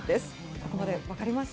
ここまで分かりました？